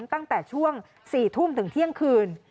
ตั้งแต่ช่วง๔ทุ่มถึงเที่ยงคืน